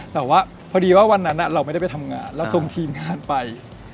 แต่ว่าพอดีว่าวันนั้นเราไม่ได้ไปทำงานเราส่งทีมงานไป